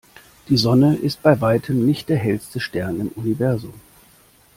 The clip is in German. Die Sonne ist bei Weitem nicht der hellste Stern im Universum.